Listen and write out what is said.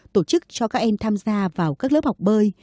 tổ chức cho các em tham gia vào các lớp học bơi